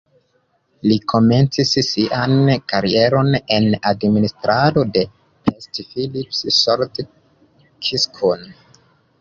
Li komencis sian karieron en administrado de Pest-Pilis-Solt-Kiskun.